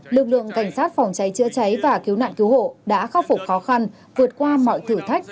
lực lượng cảnh sát phòng cháy chữa cháy và cứu nạn cứu hộ đã khắc phục khó khăn vượt qua mọi thử thách